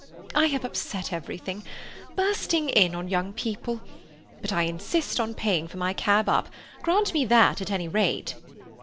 "I have upset everything. Bursting in on young people! But I insist on paying for my cab up. Grant that, at any rate."